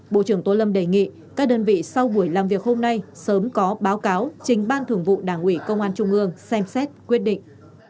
bộ trưởng tô lâm đề nghị các đơn vị sau buổi làm việc hôm nay sớm có báo cáo trình ban thường vụ đảng ủy công an trung ương xem xét quyết định